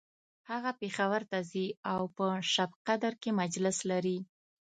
هغه پیښور ته ځي او په شبقدر کی مجلس لري